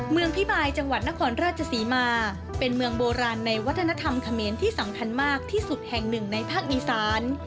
พิบายจังหวัดนครราชศรีมาเป็นเมืองโบราณในวัฒนธรรมเขมรที่สำคัญมากที่สุดแห่งหนึ่งในภาคอีสาน